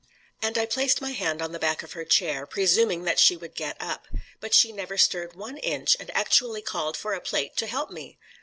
And I placed my hand on the back of her chair, presuming that she would get up; but she never stirred one inch, and actually called for a plate to help me.